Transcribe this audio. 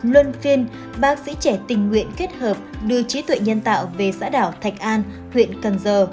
luân phiên bác sĩ trẻ tình nguyện kết hợp đưa trí tuệ nhân tạo về xã đảo thạch an huyện cần giờ